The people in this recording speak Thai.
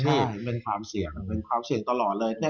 ใช่เป็นความเสี่ยงตลอดเลย